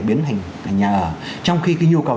biến thành nhà ở trong khi cái nhu cầu